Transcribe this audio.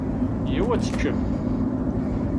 Yya-w ad teččem.